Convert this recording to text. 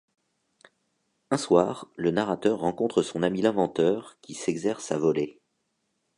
Un soir, le narrateur rencontre son ami l'inventeur qui s'exerce à voler.